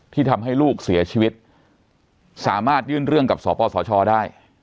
ที่ทำให้ลูกเสียชีวิตสามารถยื่นเรื่องกับสปสชได้